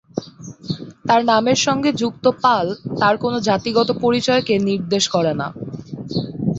তাঁর নামের সঙ্গে যুক্ত "পাল" তাঁর কোনো জাতিগত পরিচয়কে নির্দেশ করে না।